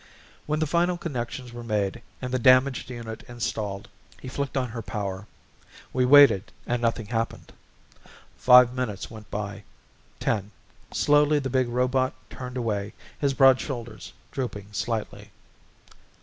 When the final connections were made and the damaged unit installed he flicked on her power. We waited and nothing happened. Five minutes went by. Ten. Slowly the big robot turned away, his broad shoulders drooping slightly.